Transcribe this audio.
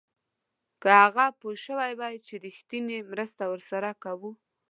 که هغه پوه شوی وای چې رښتینې مرسته ورسره کوو.